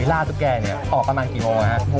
ล่าตุ๊กแกเนี่ยออกประมาณกี่โมงครับ